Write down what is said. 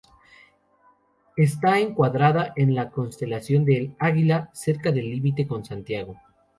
Está encuadrada en la constelación del Águila, cerca del límite con Sagitario.